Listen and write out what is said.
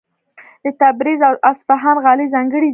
د تبریز او اصفهان غالۍ ځانګړې دي.